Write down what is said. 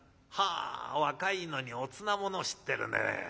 「はあ若いのにおつなものを知ってるね。